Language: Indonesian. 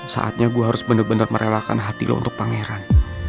saatnya gue harus benar benar merelakan hati lo untuk pangeran